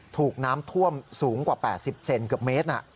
ถูกน้ำท่วมสูงกว่า๘๐เซนเกือบเมตร